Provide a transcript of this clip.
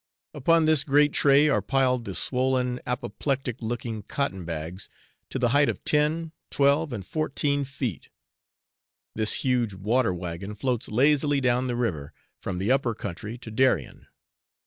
Upon this great tray are piled the swollen apoplectic looking cotton bags, to the height of ten, twelve, and fourteen feet. This huge water waggon floats lazily down the river, from the upper country to Darien.